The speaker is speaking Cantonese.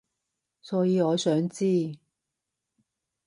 所以我想知